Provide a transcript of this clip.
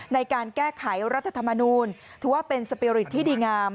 ในการแก้ไขรัฐธรรมนูลถือว่าเป็นสปีริตที่ดีงาม